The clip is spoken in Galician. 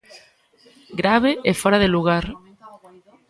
Grave e fóra de lugar.